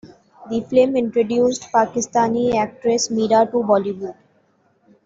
The film introduced Pakistani actress Meera to Bollywood.